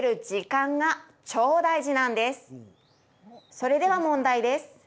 それでは問題です。